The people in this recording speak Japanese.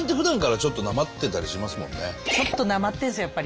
ちょっとなまってんすよやっぱり。